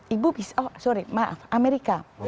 ibu bisa oh sorry maaf amerika